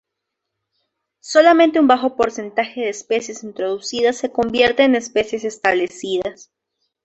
Solamente un bajo porcentaje de especies introducidas se convierte en especies establecidas.